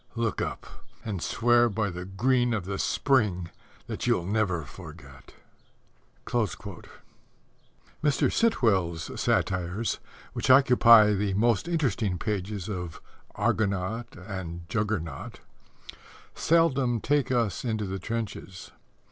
_ Look up, and swear by the green of the Spring that you'll never forget. Mr. Sitwell's satires which occupy the most interesting pages of Argonaut and Juggernaut seldom take us into the trenches.